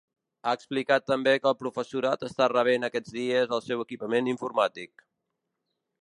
Ha explicat també que el professorat està rebent aquests dies el seu equipament informàtic.